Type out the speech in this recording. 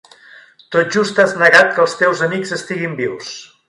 Tot just has negat que els teus amics estiguin vius.